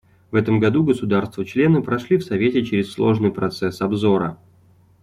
В этом году государства-члены прошли в Совете через сложный процесс обзора.